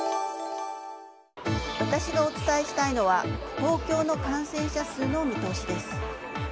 私がお伝えしたいのは東京の感染者数の見通しです。